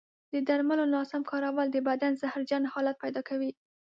د درملو ناسم کارول د بدن زهرجن حالت پیدا کوي.